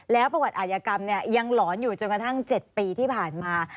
แล้วประวัติอาชญากรรมยังหลอนอยู่จนกระทั่ง๗ปีที่ผ่านมา